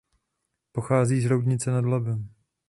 Pochází z Roudnice nad Labem.